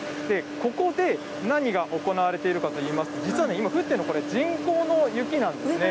ここで何が行われているかといいますと、実はね、今降っているのは人工の雪なんですね。